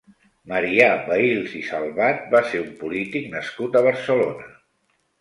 Marià Vehils i Salvat va ser un polític nascut a Barcelona.